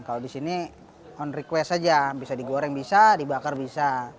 kalau di sini on request saja bisa digoreng bisa dibakar bisa